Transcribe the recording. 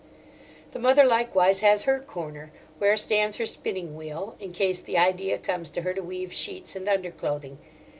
The mother likewise has her corner, where stands her spinning wheel, in case the idea comes to her to weave sheets and underclothing.